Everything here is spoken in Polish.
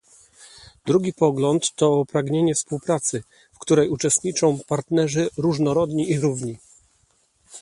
Drugi pogląd to pragnienie współpracy, w której uczestniczą partnerzy różnorodni i równi